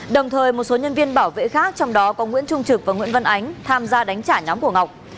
đồng thời một số nhân viên bảo vệ khác trong đó có nguyễn trung trực và nguyễn văn ánh tham gia đánh trả nhóm của ngọc